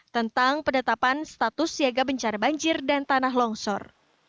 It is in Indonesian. tentang penetapan status siaga bencana banjir dan tanah longsor